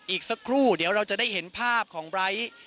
อีกสักครู่เดี๋ยวเราจะได้เห็นภาพของไบร์ท